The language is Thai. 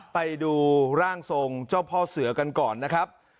ไปดูร่างทรงเจ้าพ่อเสือกันก่อนนะครับ